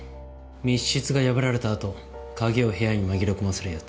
密室が破られたあと鍵を部屋に紛れ込ませるやつ。